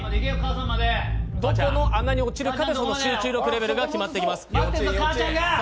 どこの穴に落ちるかで集中力レベルが決まっていきます。